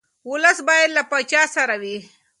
ولس باید له پاچا سره وي.